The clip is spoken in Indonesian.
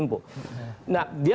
masuk pada tempo nah dia